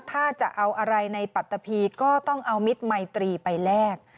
ถ้าจะเอาอะไรในปัตตะพีก็ต้องเอามิตรไมตรีไปแลก